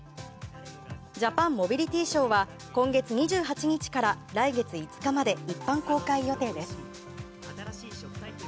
ジャパンモビリティーショーは今月２８日から来月５日まで一般公開予定です。